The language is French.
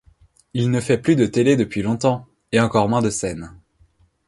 Il ne fait plus de télé depuis longtemps, et encore moins de scène.